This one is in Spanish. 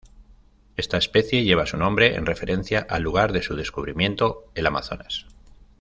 Esta especie lleva su nombre en referencia al lugar de su descubrimiento, el Amazonas.